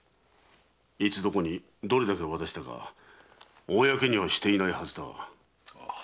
いつどこにどれだけ渡したか公にはしていないはずだが。